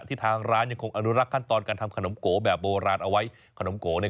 ทางร้านยังคงอนุรักษ์ขั้นตอนการทำขนมโกแบบโบราณเอาไว้ขนมโกเนี่ย